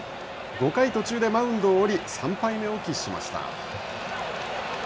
５回途中でマウンドを降り３敗目を喫しました。